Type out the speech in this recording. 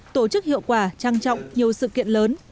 tổ chức hiệu quả trang trọng nhiều sự kiện lớn